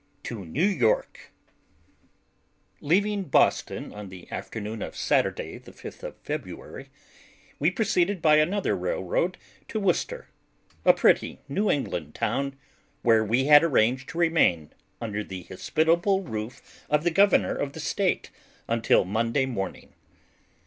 TO NEW YORK LEAVING Boston on the afternoon of Saturday the fifth of February, we proceeded by another railroad to Worcester: a pretty New England town, where we had arranged to remain under the hospitable roof of the Governor of the State, until Monday morning.